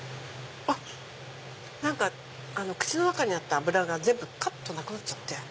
あっ何か口の中にあった脂が全部かっとなくなっちゃって。